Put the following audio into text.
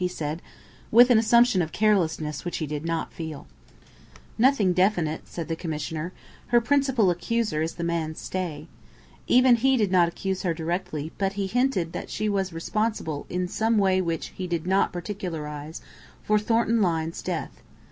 he said, with an assumption of carelessness which he did not feel. "Nothing definite," said the Commissioner. "Her principal accuser is the man Stay. Even he did not accuse her directly, but he hinted that she was responsible, in some way which he did not particularise, for Thornton Lyne's death.